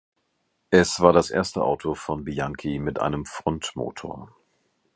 Es war das erste Auto von Bianchi mit einem Frontmotor.